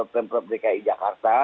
pemprov dki jakarta